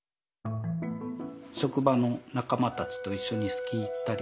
職場の仲間たちと一緒にスキー行ったりとか。